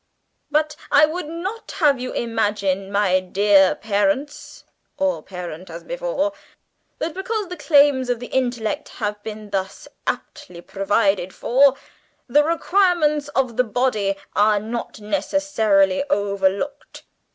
"But I would not have you imagine, my dear parents (or parent, as before), that, because the claims of the intellect have been thus amply provided for, the requirements of the body are necessarily overlooked!